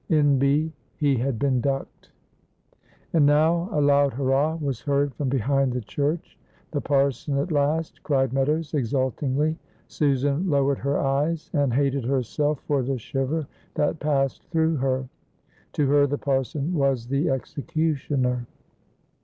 N. B. He had been ducked. And now a loud hurrah was heard from behind the church. "The parson, at last," cried Meadows, exultingly. Susan lowered her eyes, and hated herself for the shiver that passed through her. To her the parson was the executioner.